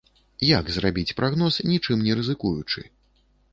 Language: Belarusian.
Як зрабіць прагноз, нічым не рызыкуючы?